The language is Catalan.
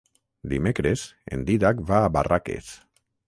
Dimecres en Dídac va a Barraques.